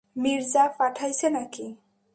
মির্জা পাঠাইছে নাকি?